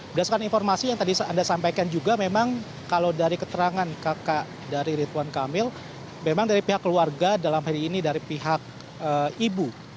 berdasarkan informasi yang tadi anda sampaikan juga memang kalau dari keterangan kakak dari ridwan kamil memang dari pihak keluarga dalam hari ini dari pihak ibu